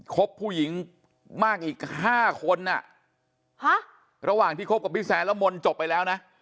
บผู้หญิงมากอีก๕คนระหว่างที่คบกับพี่แซนแล้วมนต์จบไปแล้วนะ